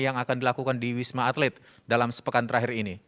yang akan dilakukan di wisma atlet dalam sepekan terakhir ini